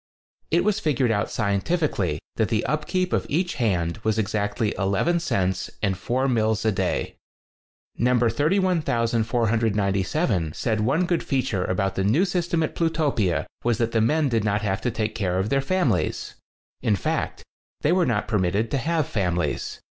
It was figured out scientifically that the upkeep of each hand was exactly 11 cents and four mills a day. No. 31497 said one good feature about the new system at Plutopia was that the men did not have to take care of their families. In fact, they were not permitted to have fam ilies.